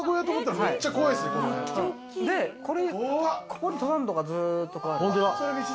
ここに登山道がずっと。